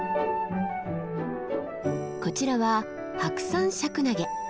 こちらはハクサンシャクナゲ。